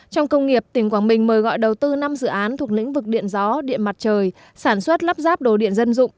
trong công nghiệp tỉnh quảng bình mời gọi đầu tư năm dự án thuộc lĩnh vực điện gió điện mặt trời sản xuất lắp ráp đồ điện dân dụng